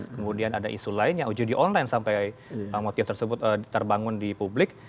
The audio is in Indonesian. kemudian ada isu lainnya uji di online sampai motif tersebut terbangun di publik